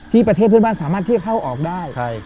ประเทศเพื่อนบ้านสามารถที่จะเข้าออกได้